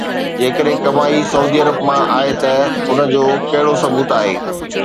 جيڪڏهن ڪمائي Saudi Arab مان آهي ته ان جو ڪهڙو ثبوت آهي؟